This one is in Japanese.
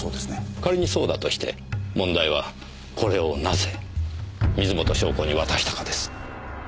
仮にそうだとして問題はこれをなぜ水元湘子に渡したかです。